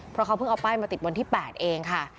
เพราะเขาเพิ่งเอาป้ายมาติดวันที่๘เองค่ะ